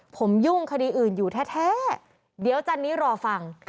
ผมยุ่งคดีอื่นอยู่แท้เดี๋ยวจันนี้รอฟัง